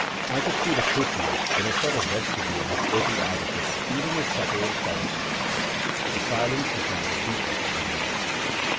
I could see the croupier, in a sort of vestibule which opened out of it, eating his supper in solitude. The silence was now deeper than ever.